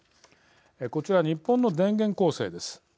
こちら、日本の電源構成です。